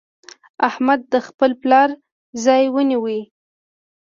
احمد د خپل پلار ځای ونيو.